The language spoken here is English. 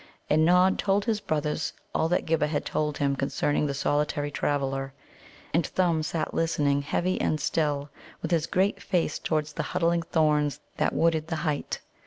And Nod told his brothers all that Ghibba had told him concerning the solitary traveller. And Thumb sat listening, heavy and still, with his great face towards the huddling thorns that wooded the height.